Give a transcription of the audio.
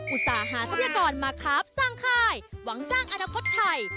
อุตส่าห์หาทรัพยากรมาครับสั่งคายหวังสร้างอนาคตไทย